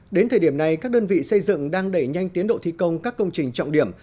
đến thời điểm này các đơn vị xây dựng đang đẩy nhanh tiến độ thi công các công trình trọng điểm